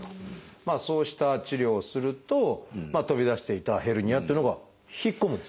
そうした治療をすると飛び出していたヘルニアっていうのが引っ込むんですか？